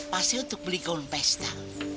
pasti untuk beli gaun pesta